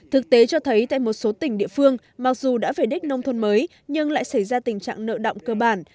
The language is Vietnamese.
thực tế cho thấy tại một số tỉnh địa phương mặc dù đã về đích nông thôn mới nhưng lại xảy ra tình trạng nợ động cơ bản